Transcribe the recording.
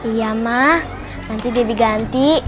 iya mah nanti debbie ganti